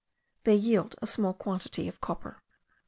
They yield a small quantity of copper.